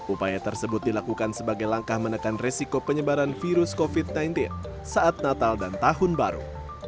upaya tersebut dilakukan sebagai langkah menekan resiko penyebaran virus covid sembilan belas saat natal dan tahun baru